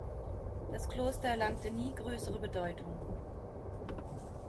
Das Kloster erlangte nie größere Bedeutung.